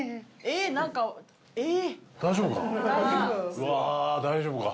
うわあ大丈夫か？